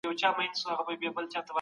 فارابي دا تحليل وړاندې کوي.